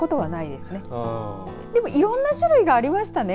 でもいろんな種類がありましたね。